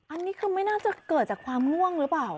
อันนี้คือไม่น่าจะเกิดจากความง่วงหรือเปล่า